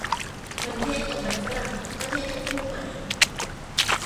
มันเทศ กับมันฝรั่ง ก็เทศทั้งคู่ไหม